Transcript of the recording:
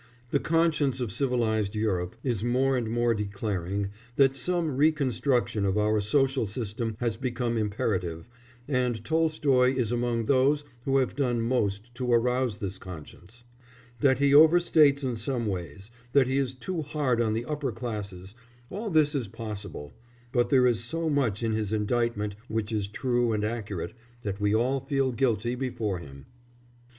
The conscience of civilised Europe is more and more declaring that some reconstruction of our social system has become imperative, and Tolstoy is among those who have done most to arouse this conscience. That he overstates in some ways, that he is too hard on the upper classes all this is possible, but there is so much in his indictment which is true and accurate that we all feel guilty before him.